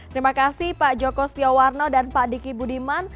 terima kasih pak joko setiawarno dan pak diki budiman